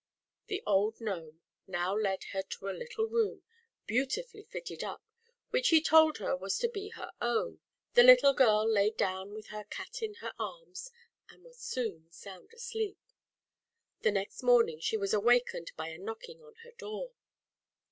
The Old Gnome now led her to a little room, beautifully fitted up, which he told her was to be her own. The little girl lay down with her cat in her arms, and was soon sound asleep. The next morning she was awakened by a knocking on her door.